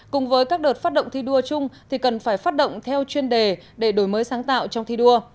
cùng với các đợt phát động thi đua chung thì cần phải phát động theo chuyên đề để đổi mới sáng tạo trong thi đua